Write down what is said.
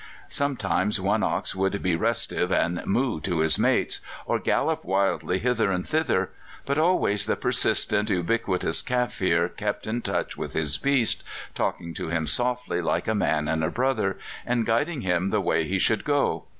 Sometimes one ox would be restive and 'moo' to his mates, or gallop wildly hither and thither; but always the persistent, ubiquitous Kaffir kept in touch with his beast, talking to him softly like a man and a brother, and guiding him the way he should go.